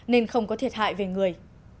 nên không có thiệt hại về người